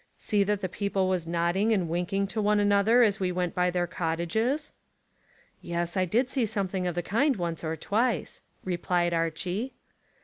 "See that the people was nodding and winking to one another as we went by their cottages?" "Yes, I did see something of the kind once or twice," replied Archy.